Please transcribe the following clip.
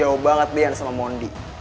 jauh banget bean sama mondi